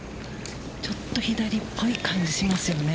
ちょっと左っぽい感じしますよね。